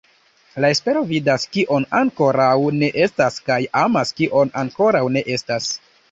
La espero vidas kion ankoraŭ ne estas kaj amas kion ankoraŭ ne estas".